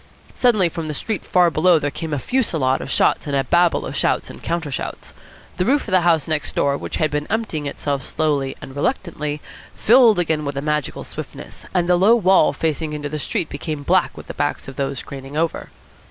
Suddenly from the street far below there came a fusillade of shots and a babel of shouts and counter shouts. The roof of the house next door, which had been emptying itself slowly and reluctantly, filled again with a magical swiftness, and the low wall facing into the street became black with the backs of those craning over.